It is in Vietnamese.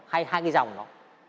hay hai cái dòng đó